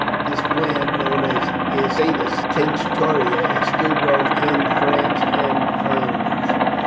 This plant, known as Isatis tinctoria, is still grown in France and Flanders.